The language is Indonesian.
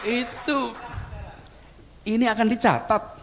itu ini akan dicatat